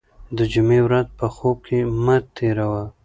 د جمعې ورځ په خوب کې مه تېروه.